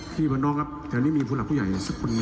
เชียวนี้มีผู้หลักผู้ใหญ่กันซักคนเลยครับ